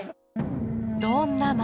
どんな街